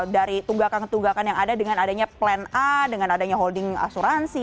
dari tunggakan tunggakan yang ada dengan adanya plan a dengan adanya holding asuransi